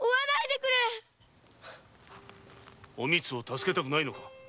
おみつを助けたくないのか？